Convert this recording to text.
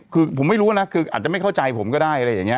คือผมไม่รู้นะคืออาจจะไม่เข้าใจผมก็ได้อะไรอย่างนี้